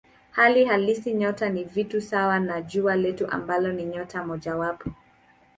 Hali halisi nyota ni vitu sawa na Jua letu ambalo ni nyota mojawapo.